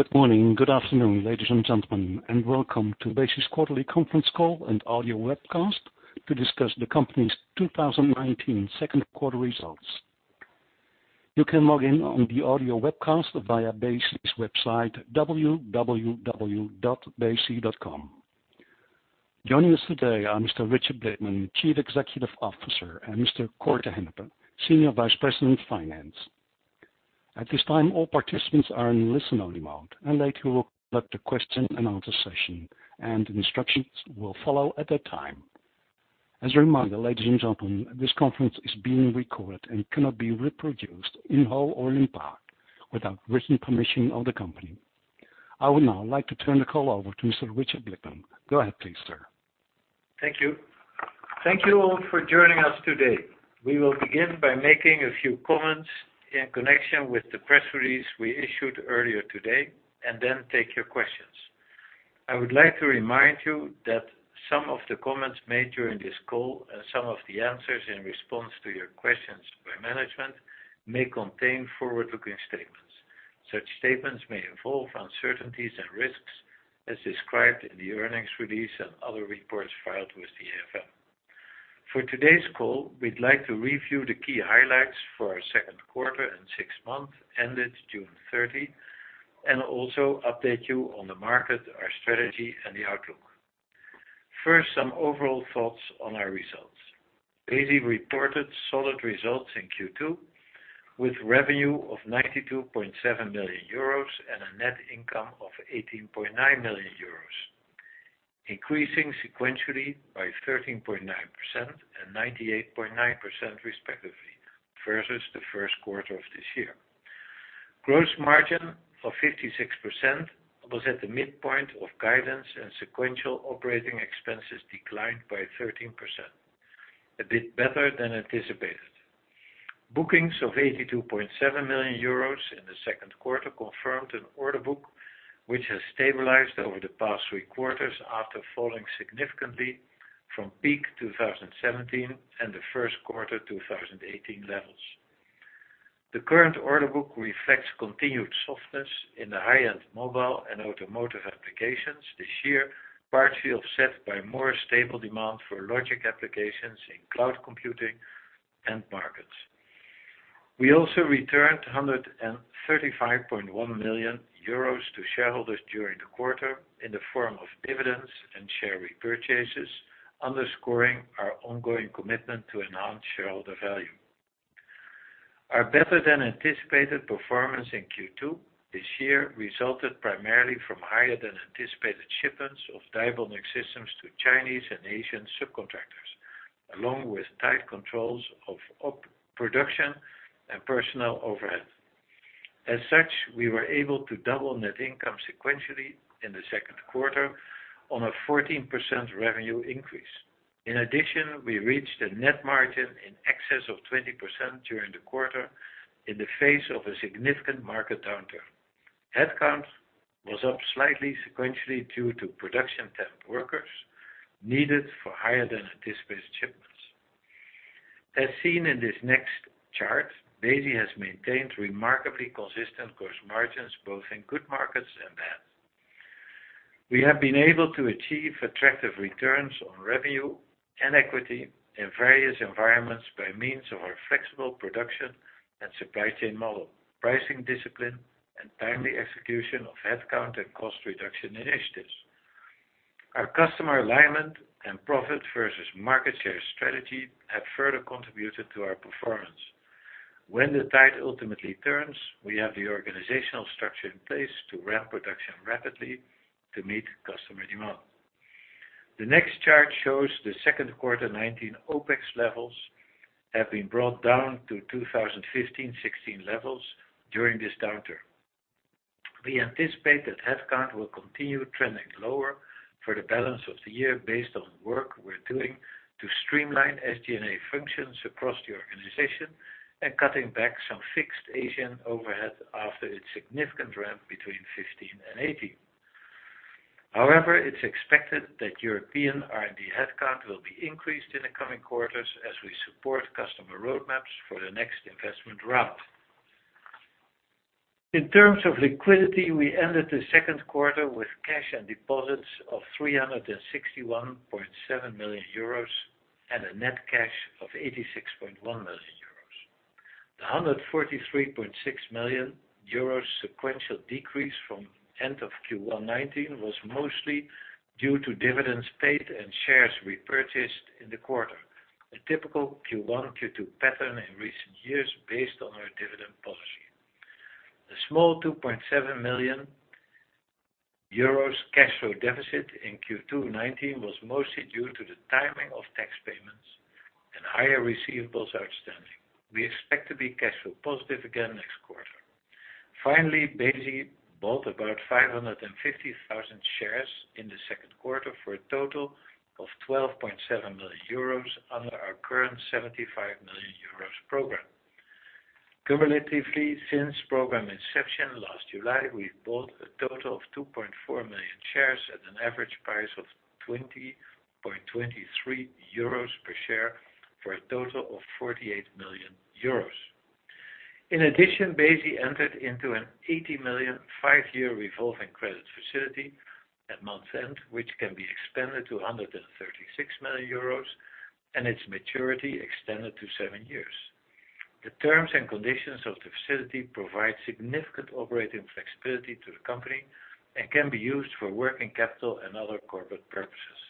Good morning. Good afternoon, ladies and gentlemen, and welcome to Besi's quarterly conference call and audio webcast to discuss the company's 2019 second quarter results. You can log in on the audio webcast via Besi's website, www.besi.com. Joining us today are Mr. Richard Blickman, Chief Executive Officer, and Mr. Cor ten Haaff, Senior Vice President of Finance. At this time, all participants are in listen-only mode, and later we'll conduct a question and answer session, and instructions will follow at that time. As a reminder, ladies and gentlemen, this conference is being recorded and cannot be reproduced in whole or in part without written permission of the company. I would now like to turn the call over to Mr. Richard Blickman. Go ahead, please, sir. Thank you. Thank you all for joining us today. We will begin by making a few comments in connection with the press release we issued earlier today, and then take your questions. I would like to remind you that some of the comments made during this call and some of the answers in response to your questions by management may contain forward-looking statements. Such statements may involve uncertainties and risks as described in the earnings release and other reports filed with the AFM. For today's call, we'd like to review the key highlights for our second quarter and six months ended June 30, and also update you on the market, our strategy, and the outlook. First, some overall thoughts on our results. Besi reported solid results in Q2, with revenue of 92.7 million euros and a net income of 18.9 million euros, increasing sequentially by 13.9% and 98.9% respectively, versus the first quarter of this year. Gross margin of 56% was at the midpoint of guidance, and sequential operating expenses declined by 13%, a bit better than anticipated. Bookings of 82.7 million euros in the second quarter confirmed an order book, which has stabilized over the past three quarters after falling significantly from peak 2017 and the first quarter 2018 levels. The current order book reflects continued softness in the high-end mobile and automotive applications this year, partially offset by more stable demand for logic applications in cloud computing end markets. We also returned 135.1 million euros to shareholders during the quarter in the form of dividends and share repurchases, underscoring our ongoing commitment to enhance shareholder value. Our better-than-anticipated performance in Q2 this year resulted primarily from higher-than-anticipated shipments of die bonding systems to Chinese and Asian subcontractors, along with tight controls of production and personnel overhead. As such, we were able to double net income sequentially in the second quarter on a 14% revenue increase. In addition, we reached a net margin in excess of 20% during the quarter in the face of a significant market downturn. Headcount was up slightly sequentially due to production temp workers needed for higher-than-anticipated shipments. As seen in this next chart, Besi has maintained remarkably consistent gross margins both in good markets and bad. We have been able to achieve attractive returns on revenue and equity in various environments by means of our flexible production and supply chain model, pricing discipline, and timely execution of headcount and cost reduction initiatives. Our customer alignment and profit versus market share strategy have further contributed to our performance. When the tide ultimately turns, we have the organizational structure in place to ramp production rapidly to meet customer demand. The next chart shows the second quarter 2019 OPEX levels have been brought down to 2015-2016 levels during this downturn. We anticipate that headcount will continue trending lower for the balance of the year based on work we're doing to streamline SGA functions across the organization and cutting back some fixed Asian overhead after its significant ramp between 2015 and 2018. However, it's expected that European RD headcount will be increased in the coming quarters as we support customer roadmaps for the next investment round. In terms of liquidity, we ended the second quarter with cash and deposits of €361.7 million and a net cash of €86.1 million. The €143.6 million sequential decrease from end of Q1 '19 was mostly due to dividends paid and shares repurchased in the quarter, a typical Q1, Q2 pattern in recent years based on our dividend policy. The small €2.7 million cash flow deficit in Q2 '19 was mostly due to the timing of tax payments and higher receivables outstanding. We expect to be cash flow positive again next quarter. Finally, Besi bought about 550,000 shares in the second quarter for a total of €12.7 million under our current €75 million program. Cumulatively, since program inception, last July, we bought a total of 2.4 million shares at an average price of €20.23 per share for a total of €48 million. In addition, Besi entered into an 80 million, five-year revolving credit facility at month-end, which can be expanded to €136 million and its maturity extended to seven years. The terms and conditions of the facility provide significant operating flexibility to the company and can be used for working capital and other corporate purposes.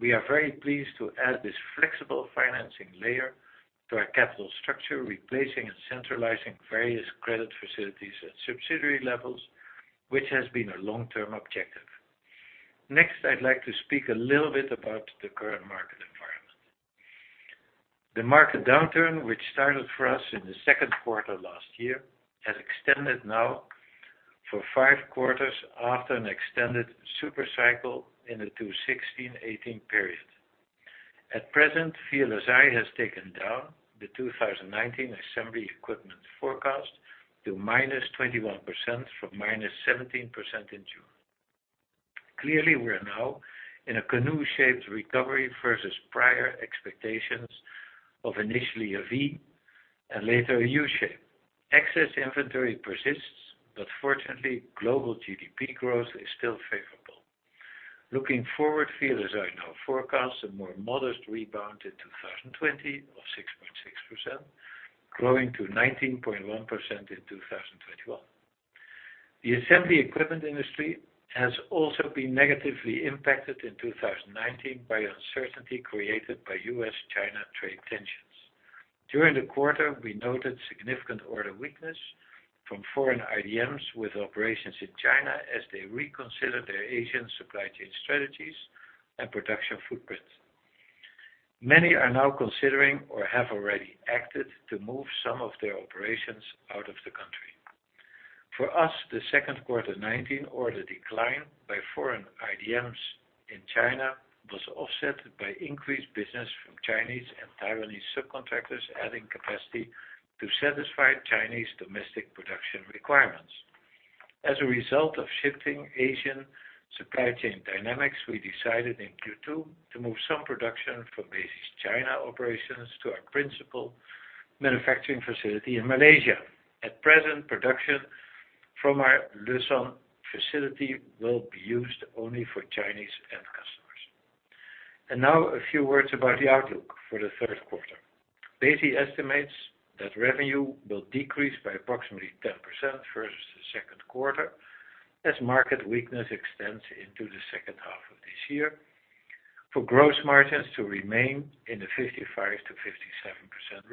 We are very pleased to add this flexible financing layer to our capital structure, replacing and centralizing various credit facilities at subsidiary levels, which has been a long-term objective. I'd like to speak a little bit about the current market environment. The market downturn, which started for us in the second quarter last year, has extended now for five quarters after an extended super cycle in the 2016 to 2018 period. At present, VLSI Research has taken down the 2019 assembly equipment forecast to –21% from –17% in June. Clearly, we're now in a canoe-shaped recovery versus prior expectations of initially a V and later a U shape. Excess inventory persists, but fortunately, global GDP growth is still favorable. Looking forward, VLSI Research now forecasts a more modest rebound in 2020 of 6.6%, growing to 19.1% in 2021. The assembly equipment industry has also been negatively impacted in 2019 by uncertainty created by U.S.-China trade tensions. During the quarter, we noted significant order weakness from foreign IDMs with operations in China as they reconsider their Asian supply chain strategies and production footprint. Many are now considering or have already acted to move some of their operations out of the country. For us, the second quarter 2019 order decline by foreign IDMs in China was offset by increased business from Chinese and Taiwanese subcontractors adding capacity to satisfy Chinese domestic production requirements. As a result of shifting Asian supply chain dynamics, we decided in Q2 to move some production from Besi's China operations to our principal manufacturing facility in Malaysia. At present, production from our Leshan facility will be used only for Chinese end customers. Now a few words about the outlook for the third quarter. Besi estimates that revenue will decrease by approximately 10% versus the second quarter as market weakness extends into the second half of this year. Besi estimates for gross margins to remain in the 55%-57%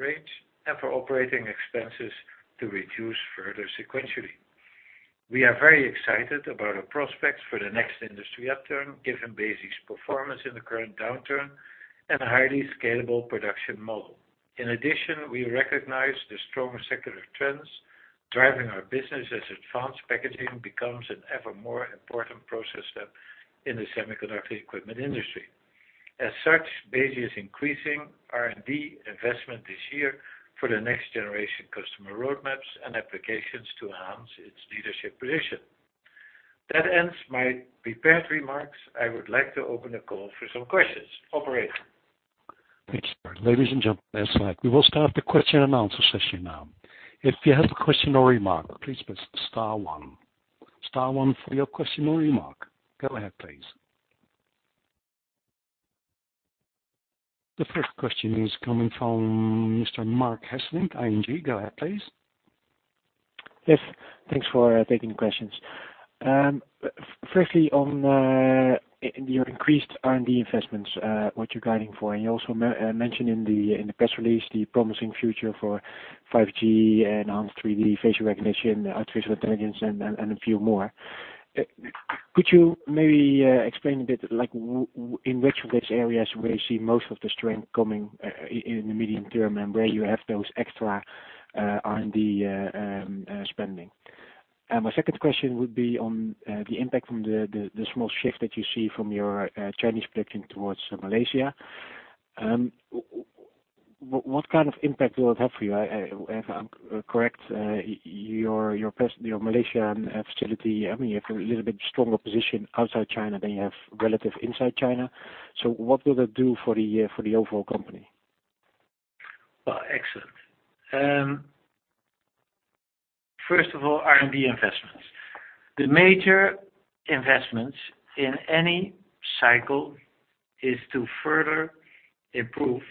range and for operating expenses to reduce further sequentially. We are very excited about our prospects for the next industry upturn, given Besi's performance in the current downturn and a highly scalable production model. In addition, we recognize the strong secular trends driving our business as advanced packaging becomes an ever more important process step in the semiconductor equipment industry. Besi is increasing R&D investment this year for the next generation customer roadmaps and applications to enhance its leadership position. That ends my prepared remarks. I would like to open the call for some questions. Operator? Thanks, Richard. Ladies and gentlemen, as live. We will start the question and answer session now. If you have a question or remark, please press star one. Star one for your question or remark. Go ahead, please. The first question is coming from Mr. Marc Hesselink, ING. Go ahead, please. Yes, thanks for taking the questions. Firstly, on your increased R&D investments, what you're guiding for, and you also mentioned in the press release the promising future for 5G, enhanced 3D, facial recognition, artificial intelligence, and a few more. Could you maybe explain a bit, in which of these areas where you see most of the strength coming in the medium term and where you have those extra R&D spending? My second question would be on the impact from the small shift that you see from your Chinese production towards Malaysia. What kind of impact will it have for you? If I'm correct, your Malaysia facility, you have a little bit stronger position outside China than you have relative inside China. What will it do for the overall company? Well, excellent. First of all, R&D investments. The major investments in any cycle is to further improve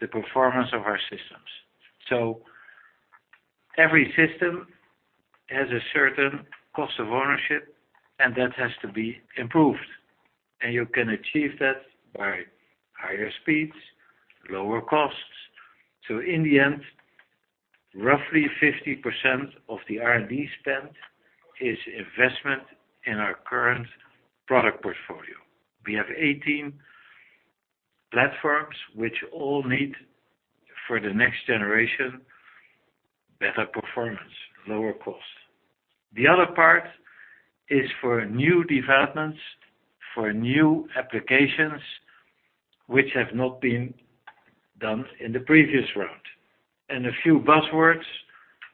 the performance of our systems. Every system has a certain cost of ownership, and that has to be improved, and you can achieve that by higher speeds, lower costs. In the end, roughly 50% of the R&D spend is investment in our current product portfolio. We have 18 platforms which all need for the next generation, better performance, lower cost. The other part is for new developments, for new applications which have not been done in the previous round. A few buzzwords.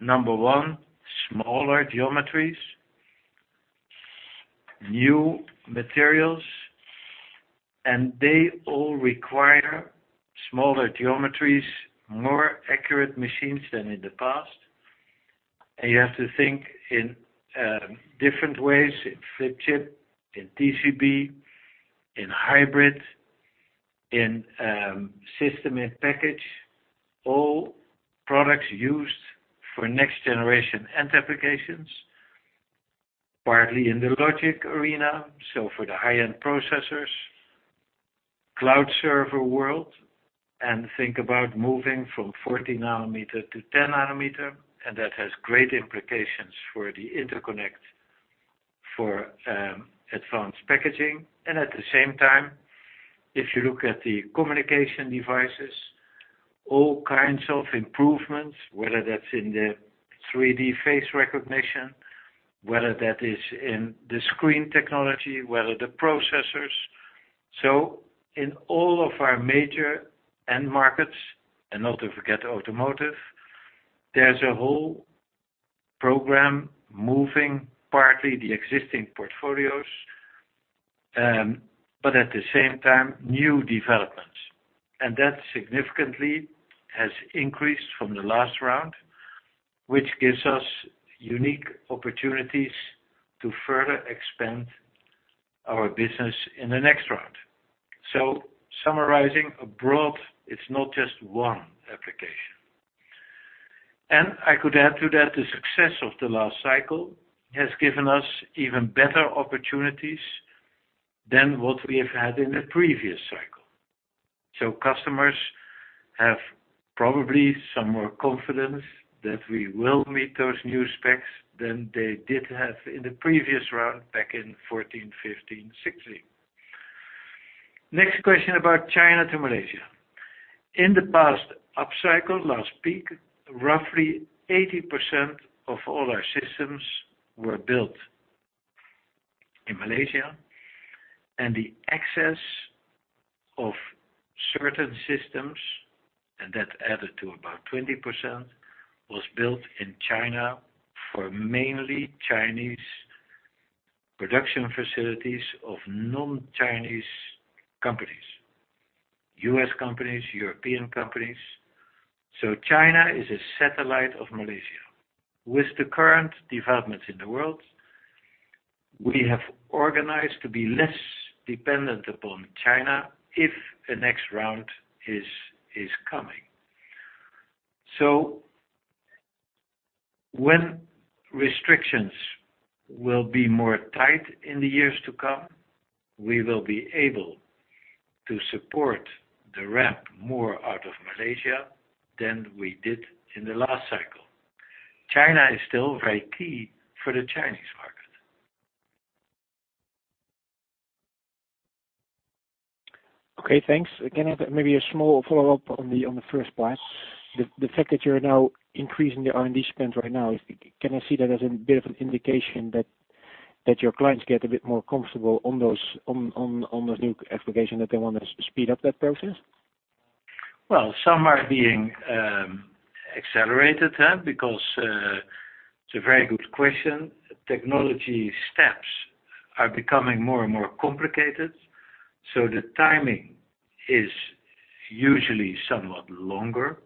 Number one, smaller geometries, new materials, and they all require smaller geometries, more accurate machines than in the past. You have to think in different ways, in flip chip, in TCB, in hybrid, in system in package. All products used for next generation end applications, partly in the logic arena, so for the high-end processors, cloud server world, and think about moving from 40 nanometer to 10 nanometer, and that has great implications for the interconnect for advanced packaging. At the same time, if you look at the communication devices, all kinds of improvements, whether that's in the 3D face recognition, whether that is in the screen technology, whether the processors. In all of our major end markets, and not to forget automotive, there's a whole program moving partly the existing portfolios, but at the same time, new developments. That significantly has increased from the last round, which gives us unique opportunities to further expand our business in the next round. Summarizing, abroad, it's not just one application. I could add to that, the success of the last cycle has given us even better opportunities than what we have had in the previous cycle. Customers have probably some more confidence that we will meet those new specs than they did have in the previous round back in 2014, 2015, 2016. Next question about China to Malaysia. In the past upcycle, last peak, roughly 80% of all our systems were built in Malaysia, and the excess of certain systems, and that added to about 20%, was built in China for mainly Chinese production facilities of non-Chinese companies, U.S. companies, European companies. China is a satellite of Malaysia. With the current developments in the world, we have organized to be less dependent upon China if the next round is coming. When restrictions will be more tight in the years to come, we will be able to support the ramp more out of Malaysia than we did in the last cycle. China is still very key for the Chinese market. Okay, thanks. Maybe a small follow-up on the first part. The fact that you're now increasing the R&D spend right now, can I see that as a bit of an indication that your clients get a bit more comfortable on the new application, that they want to speed up that process? Well, some are being accelerated because, it's a very good question. Technology steps are becoming more and more complicated, so the timing is usually somewhat longer.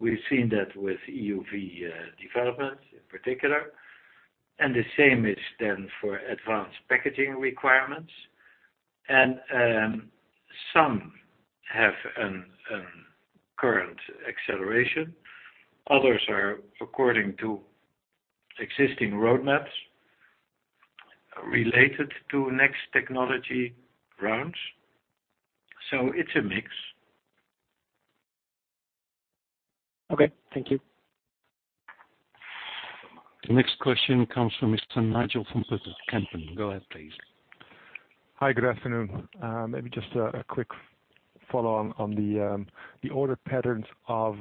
We've seen that with EUV development in particular, and the same is then for advanced packaging requirements. Some have a current acceleration. Others are according to existing roadmaps related to next technology rounds. It's a mix. Okay. Thank you. The next question comes from Mr. Nigel van Putten. Go ahead, please. Hi, good afternoon. Maybe just a quick follow on the order patterns of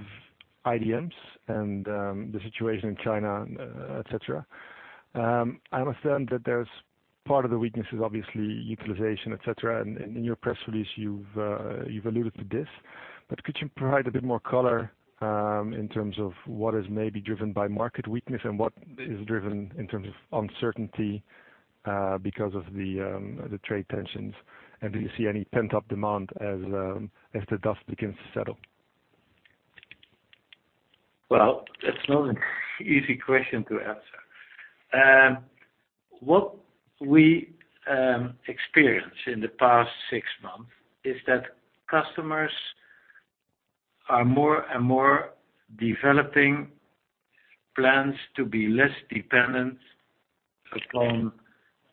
IDMs and the situation in China, et cetera. I understand that there's part of the weakness is obviously utilization, et cetera, and in your press release, you've alluded to this. Could you provide a bit more color, in terms of what is maybe driven by market weakness and what is driven in terms of uncertainty because of the trade tensions? Do you see any pent-up demand as the dust begins to settle? That's not an easy question to answer. What we experienced in the past six months is that customers are more and more developing plans to be less dependent upon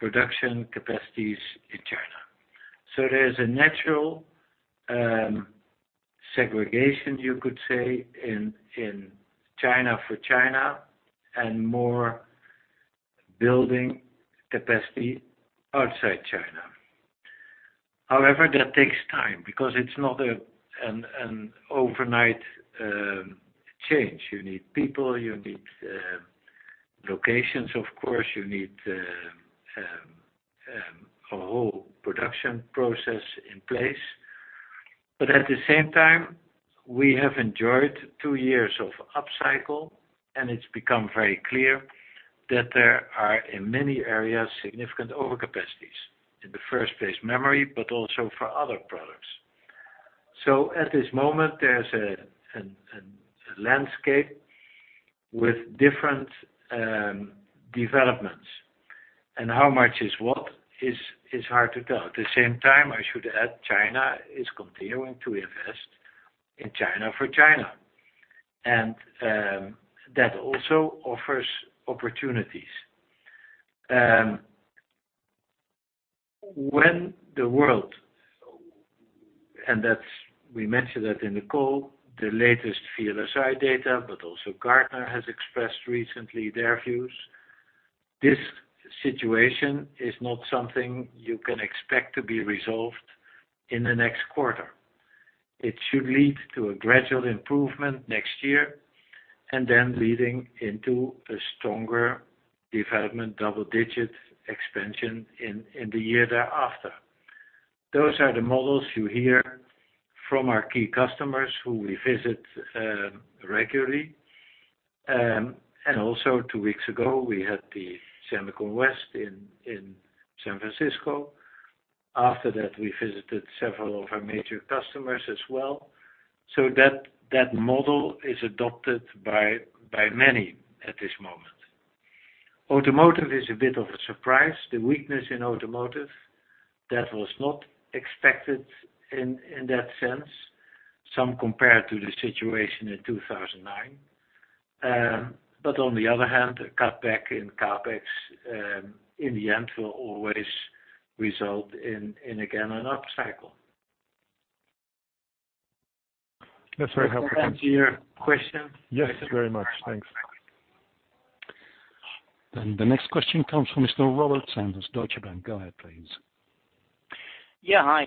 production capacities in China. There's a natural segregation, you could say, in China for China and more building capacity outside China. However, that takes time because it's not an overnight change. You need people, you need locations, of course. You need a whole production process in place. At the same time, we have enjoyed two years of upcycle, and it's become very clear that there are, in many areas, significant overcapacities. In the first place, memory, but also for other products. At this moment, there's a landscape with different developments, and how much is what is hard to tell. At the same time, I should add, China is continuing to invest in China for China, and that also offers opportunities. When the world, and we mentioned that in the call, the latest VLSI data, but also Gartner has expressed recently their views. This situation is not something you can expect to be resolved in the next quarter. It should lead to a gradual improvement next year, and then leading into a stronger development, double-digit expansion in the year thereafter. Those are the models you hear from our key customers who we visit regularly. Also two weeks ago, we had the SEMICON West in San Francisco. After that, we visited several of our major customers as well. That model is adopted by many at this moment. Automotive is a bit of a surprise. The weakness in automotive, that was not expected in that sense. Some compared to the situation in 2009. On the other hand, a cutback in CapEx, in the end, will always result in, again, an upcycle. That's very helpful. Does that answer your question? Yes, very much. Thanks. The next question comes from Mr. Robert Sanders, Deutsche Bank. Go ahead, please. Yeah, hi.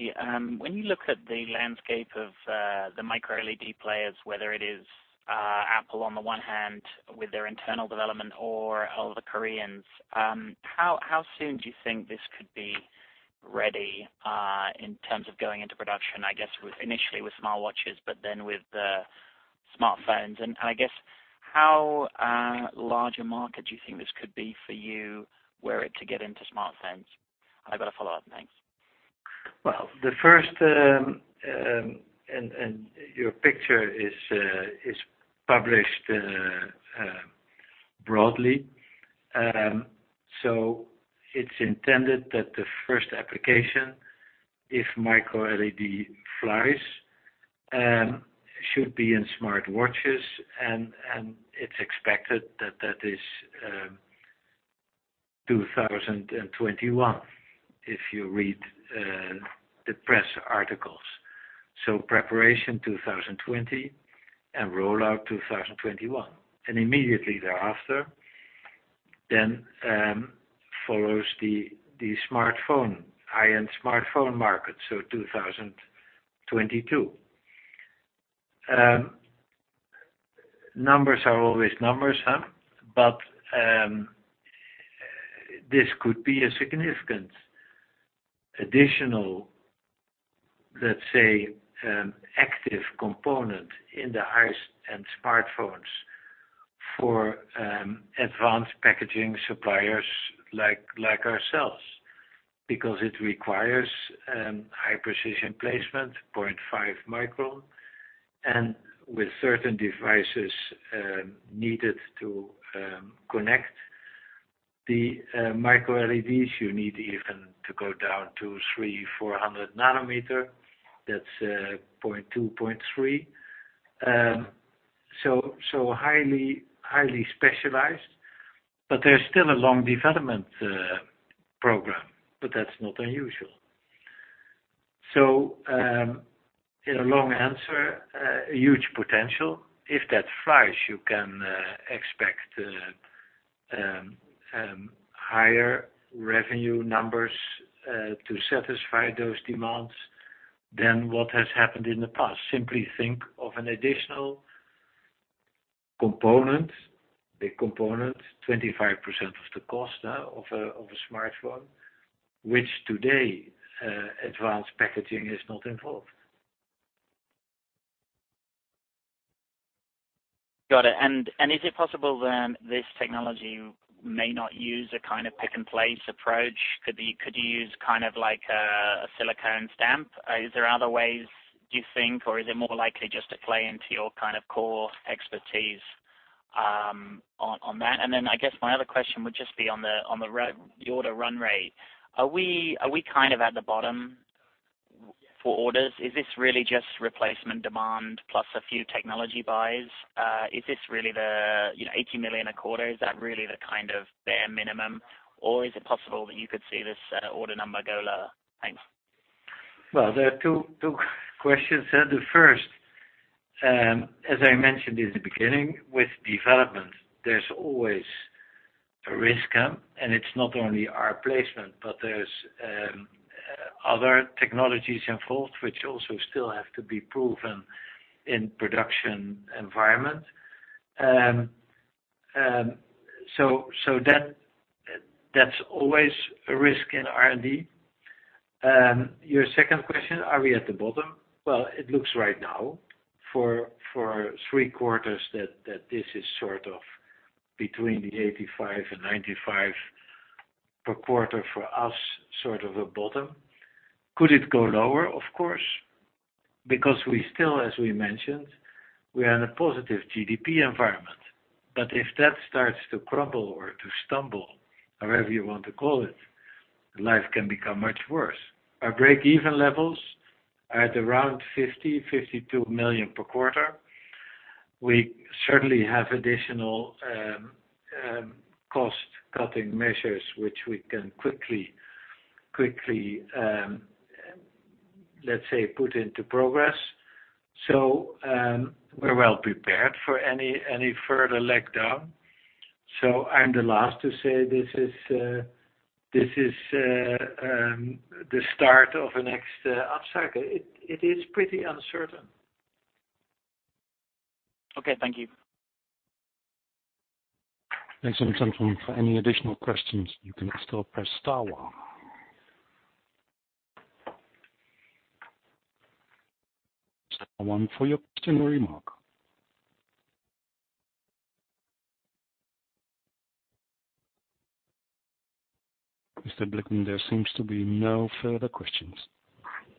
When you look at the landscape of the micro LED players, whether it is Apple on the one hand with their internal development or all the Koreans, how soon do you think this could be ready, in terms of going into production? I guess, initially, with smartwatches, but then with smartphones. I guess, how large a market do you think this could be for you were it to get into smartphones? I've got a follow-up. Thanks. Well, your picture is published broadly. It's intended that the first application, if micro LED flies, should be in smartwatches, and it's expected that is 2021, if you read the press articles. Preparation 2020, and rollout 2021. Immediately thereafter, follows the high-end smartphone market, so 2022. Numbers are always numbers, this could be a significant additional, let's say, active component in the high-end smartphones for advanced packaging suppliers like ourselves, because it requires high-precision placement, 0.5 micron. With certain devices needed to connect the micro LEDs, you need even to go down to 300, 400 nanometer. That's 0.2, 0.3. Highly specialized, but there's still a long development program, but that's not unusual. In a long answer, a huge potential. If that flies, you can expect higher revenue numbers to satisfy those demands than what has happened in the past. Simply think of an additional component, big component, 25% of the cost now of a smartphone, which today, advanced packaging is not involved. Got it. Is it possible, then, this technology may not use a kind of pick-and-place approach? Could you use a silicon stamp? Is there other ways, do you think, or is it more likely just to play into your core expertise on that? I guess my other question would just be on the order run rate. Are we kind of at the bottom for orders? Is this really just replacement demand plus a few technology buys? Is this really the 80 million a quarter? Is that really the kind of bare minimum, or is it possible that you could see this order number go lower? Thanks. Well, there are two questions. The first, as I mentioned in the beginning, with development, there's always a risk, and it's not only our placement, but other technologies involved, which also still have to be proven in production environment. That's always a risk in R&D. Your second question, are we at the bottom? Well, it looks right now for three quarters that this is sort of between 85 million and 95 million per quarter for us, sort of a bottom. Could it go lower? Of course, because we still, as we mentioned, we are in a positive GDP environment, if that starts to crumble or to stumble, however you want to call it, life can become much worse. Our break-even levels are at around 50 million-52 million per quarter. We certainly have additional cost-cutting measures, which we can quickly, let's say, put into progress. We're well prepared for any further letdown. I'm the last to say this is the start of a next upcycle. It is pretty uncertain. Okay. Thank you. Thanks. Gentlemen, for any additional questions, you can still press star one. Star one for your question or remark. Mr. Blickman, there seems to be no further questions.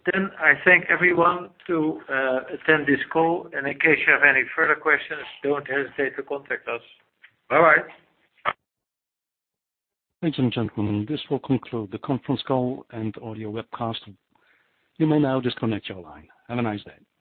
I thank everyone to attend this call, and in case you have any further questions, don't hesitate to contact us. Bye. Ladies and gentlemen, this will conclude the conference call and audio webcast. You may now disconnect your line. Have a nice day.